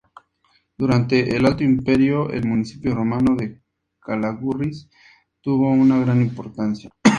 Durante el alto imperio, el municipio romano de Calagurris tuvo una gran importancia.